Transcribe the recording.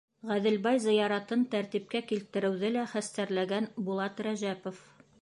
Ғәҙелбай зыяратын тәртипкә килтереүҙе лә хәстәрләгән Булат Рәжәпов.